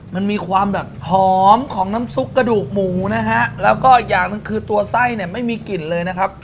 มันมีความแบบหอมของน้ำซุปกระดูกหมูนะฮะแล้วก็อีกอย่างหนึ่งคือตัวไส้เนี่ยไม่มีกลิ่นเลยนะครับ